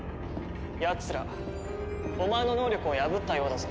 やつらお前の能力を破ったようだぞ。